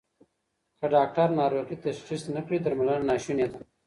که ډاکټر ناروغي تشخیص نه کړي درملنه ناسونې ده.